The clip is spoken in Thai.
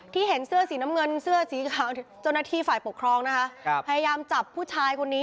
ที่เห็นเสื้อสีน้ำเงิน